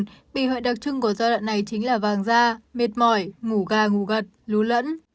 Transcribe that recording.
nguồn paracetamol biểu hiện đặc trưng của giai đoạn này chính là vàng da mệt mỏi ngủ gà ngủ gật lú lẫn